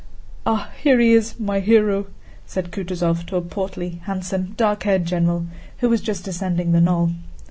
"Ah, here he is, my hero!" said Kutúzov to a portly, handsome, dark haired general who was just ascending the knoll.